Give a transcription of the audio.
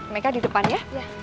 mereka di depan ya